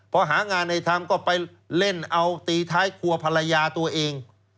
พอหางานในทำก็ไปเล่นเอาตีท้ายครัวภรรยาตัวเอง